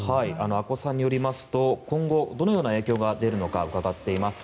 阿古さんによりますと今後、どのような影響が出るのか伺っています。